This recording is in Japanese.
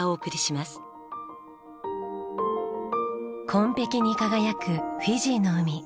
紺碧に輝くフィジーの海。